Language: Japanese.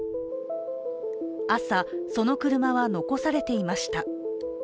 朝、その車は残されていました。